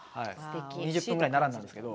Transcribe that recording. ２０分ぐらい並んだんですけど。